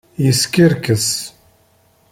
Yeskerkes.